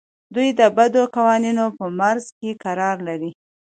دوی د بدو قوانینو په معرض کې قرار لري.